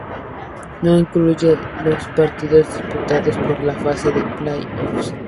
No incluye los partidos disputados por la fase de "play-offs".